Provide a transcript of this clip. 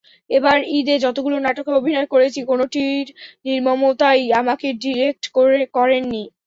এবার ঈদে যতগুলো নাটকে অভিনয় করেছি, কোনোটির নির্মাতাই আমাকে ডিরেক্ট করেননি।